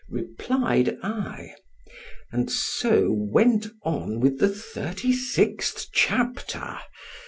_ replied I, and so went on with the thirty sixth chapter.